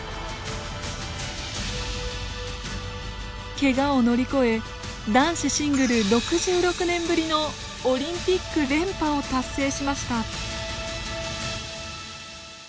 けがを乗り越え男子シングル６６年ぶりのオリンピック連覇を達成しました。